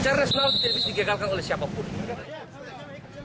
acah rasional tidak bisa digagalkan oleh siapapun